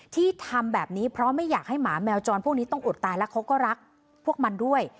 ที่ทำแบบนี้เพราะไม่อยากให้หมาแมวจรพวกนี้ต้องอดตายแล้วเขาก็รักพวกมันด้วย